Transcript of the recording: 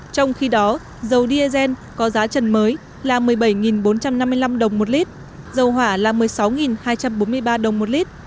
trong khi đó dầu diesel có giá trần mới là một mươi bảy bốn trăm năm mươi năm đồng một lít dầu hỏa là một mươi sáu hai trăm bốn mươi ba đồng một lít